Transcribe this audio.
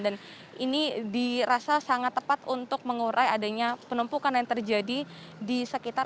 dan ini dirasa sangat tepat untuk mengurai adanya penumpukan yang terjadi di sekitar